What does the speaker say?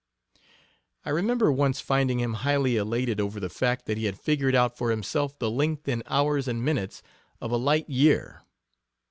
I remember once finding him highly elated over the fact that he had figured out for himself the length in hours and minutes of a "light year."